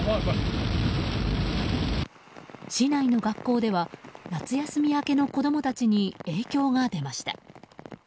市内の学校では、夏休み明けの子供たちに影響が出ました。